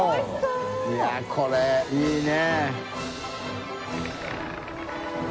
いやこれいいね。